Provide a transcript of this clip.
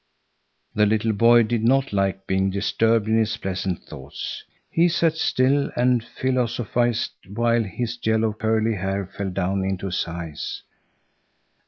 The little boy did not like being disturbed in his pleasant thoughts. He sat still and philosophized, while his yellow, curly hair fell down into his eyes.